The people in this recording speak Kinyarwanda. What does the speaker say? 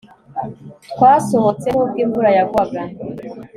twasohotse nubwo imvura yagwaga